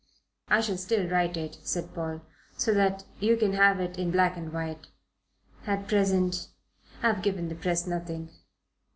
"I shall still write it," said Paul, "so that you can have it in black and white. At present, I've given the press nothing."